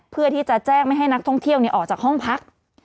เพื่อที่จะแจ้งไม่ให้นักท่องเที่ยวออกจากห้องพัก